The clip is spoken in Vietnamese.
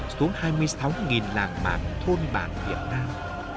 số hai mươi sáu làng mạng thôn bản việt nam